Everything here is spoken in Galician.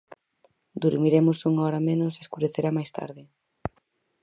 Durmiremos unha hora menos e escurecerá máis tarde.